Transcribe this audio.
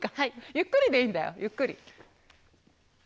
ゆっくりでいいんだよ。ゆっくり。